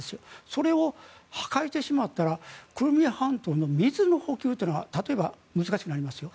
それを破壊してしまったらクリミア半島の水の補給というのが例えば難しくなりますよ。